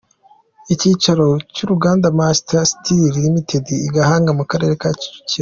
Ikicaro cy’Uruganda Master Steel Ltd, i Gahanga mu Karere ka Kicukiro